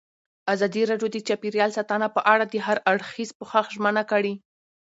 ازادي راډیو د چاپیریال ساتنه په اړه د هر اړخیز پوښښ ژمنه کړې.